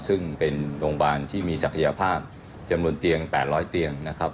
ซึ่งเป็นโรงพยาบาลที่มีศักยภาพจำนวนเตียง๘๐๐เตียงนะครับ